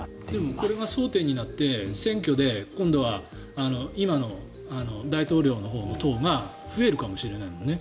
でも、これが争点になって選挙で今度は今の大統領のほうの党が増えるかもしれないもんね。